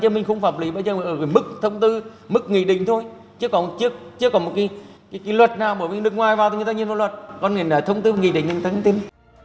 còn nếu là thông tư nghị định thì người ta nhìn tìm